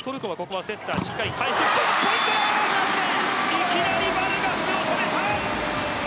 いきなりバルガスを止めた。